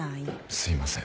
すいません。